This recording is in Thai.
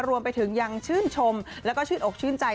รวมไปถึงยังชื่นชมแล้วก็ชื่นอกชื่นใจ